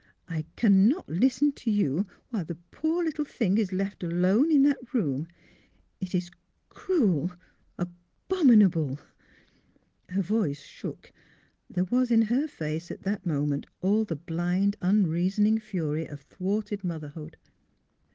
'' I can not listen to you while the poor little thing is left alone in that room. It is cruel — abomin able! " 284 THE HEAKT OF PHILUEA Her voice shook. There was in her face at the moment all the blind, unreasoning fury of thwarted motherhood.